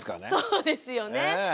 そうですよね。